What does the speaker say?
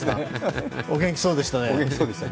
お元気そうでしたね。